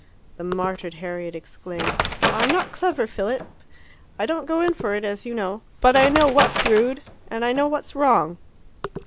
The martyred Harriet exclaimed, "I'm not clever, Philip. I don't go in for it, as you know. But I know what's rude. And I know what's wrong."